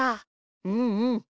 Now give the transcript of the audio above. うんうん。